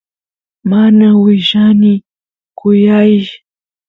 mana willani kuyaysh